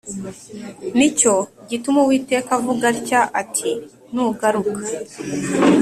Ni cyo gituma Uwiteka avuga atya ati Nugaruka